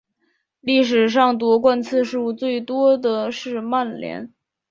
历史上夺冠次数最多的是曼联。